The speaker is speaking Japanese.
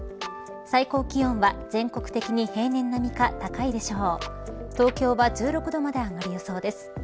最高気温は全国的に平年並みか高いでしょう。